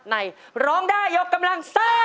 ในร้องได้ยกกำลังซ่า